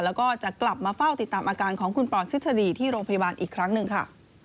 แล้วก็จะกลับมาเฝ้าติดตามอาการของคุณปอนทฤษฎีที่โรงพยาบาลอีกครั้งหนึ่งค่ะ